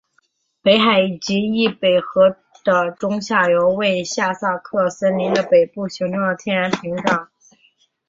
北海以及易北河的中下游为下萨克森州的北部形成了天然屏障。